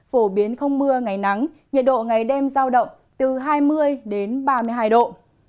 phổ biến không mưa ngày nắng nhiệt độ ngày đêm giao động từ hai mươi đến ba mươi hai độ